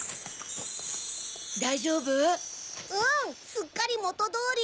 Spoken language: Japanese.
すっかりもとどおり。